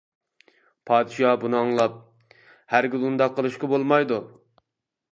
پادىشاھ بۇنى ئاڭلاپ:-ھەرگىز ئۇنداق قىلىشقا بولمايدۇ.